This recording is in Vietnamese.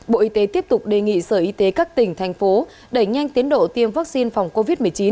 bộ y tế tiếp tục đề nghị sở y tế các tỉnh thành phố đẩy nhanh tiến độ tiêm vaccine phòng covid một mươi chín